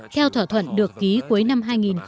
theo thỏa thuận được ký cuối năm hai nghìn một mươi năm